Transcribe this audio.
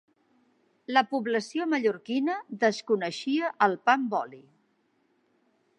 La població mallorquina desconeixia el pa amb oli